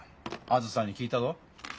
あづさに聞いたぞ。